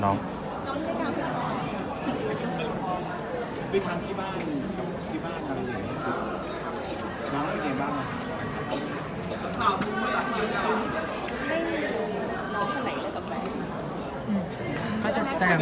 น้องไม่ติดต่อน้อง